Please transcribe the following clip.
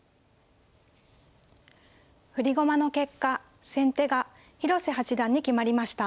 振り駒の結果先手が広瀬八段に決まりました。